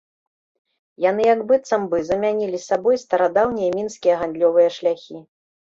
Яны як быццам бы замянілі сабой старадаўнія мінскія гандлёвыя шляхі.